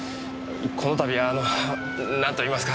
この度はなんといいますか。